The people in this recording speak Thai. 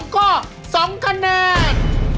ข้อ๒คะแนน